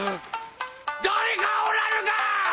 誰かおらぬか！